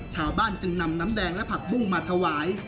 ชาวบ้านจึงนำน้ำแดงและผักบุ้งมาถวาย